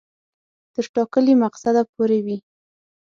تر ټاکلي مقصده پوري وي.